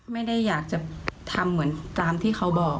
ไม่ได้อยากจะทำเหมือนตามที่เขาบอก